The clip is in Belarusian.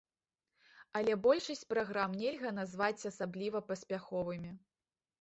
Але большасць праграм нельга назваць асабліва паспяховымі.